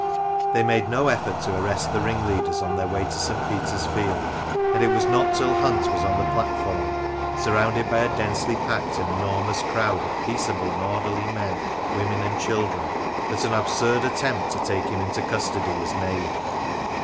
They made no effort to arrest the ring leaders on their way to St. Peter's Field ; and it was not till Hunt was on the platform, surrounded by a densely packed and enormous crowd of peaceable and orderly men, women, and children, that an absurd attempt to take him into custody was made.